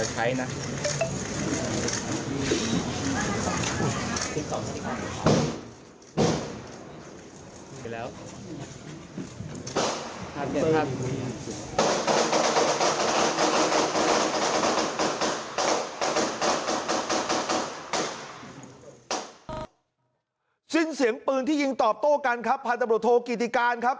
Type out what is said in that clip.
เผื่อเผื่อจะใช้นะ